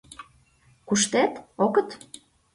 — Куштет, огыт?